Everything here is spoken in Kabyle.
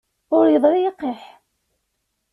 Ur yeḍṛi yiqiḥ.